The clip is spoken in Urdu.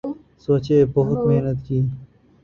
سوچیں بہت محنت کی